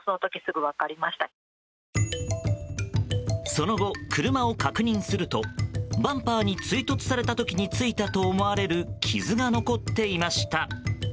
その後、車を確認するとバンパーに追突された時についたと思われる傷が残っていました。